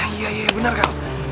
iya iya bener kak